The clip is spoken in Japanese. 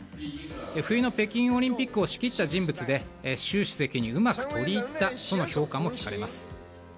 冬の北京オリンピックを仕切った人物で習主席にうまく取り入ったとの評価も聞かれます。